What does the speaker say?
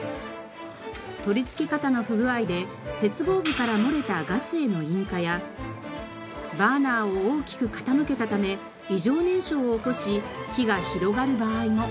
取り付け方の不具合で接合部から漏れたガスへの引火やバーナーを大きく傾けたため異常燃焼を起こし火が広がる場合も。